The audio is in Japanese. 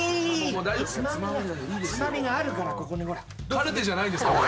カルテじゃないんですか。